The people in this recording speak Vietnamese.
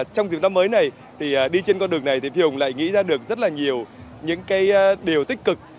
trong dịp năm mới này thì đi trên con đường này thì hùng lại nghĩ ra được rất là nhiều những điều tích cực